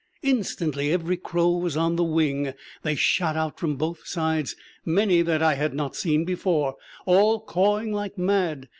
Instantly every crow was on the wing; they shot out from both sides, many that I had not seen before, all cawing like mad.